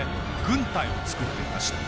軍隊を作っていました。